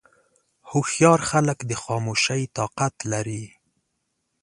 هوښیار خلک د خاموشۍ طاقت لري.